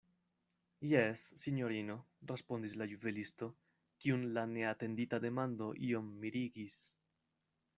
Jes, sinjorino, respondis la juvelisto, kiun la neatendita demando iom mirigis.